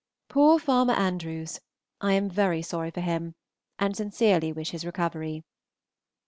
Poor Farmer Andrews! I am very sorry for him, and sincerely wish his recovery.